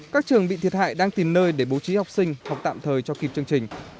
các trường bị thiệt hại đang tìm nơi để bố trí học sinh học tạm thời cho kịp chương trình